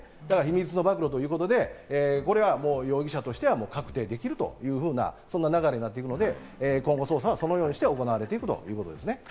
秘密の暴露ということで、容疑者としては確定できるというふうな、そんな流れになっていくので今後、捜査はそのようにして行われていくということです。